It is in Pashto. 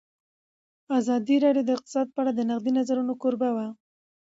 ازادي راډیو د اقتصاد په اړه د نقدي نظرونو کوربه وه.